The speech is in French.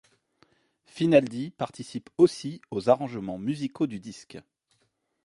Finaldi participe aussi aux arrangements musicaux du disque.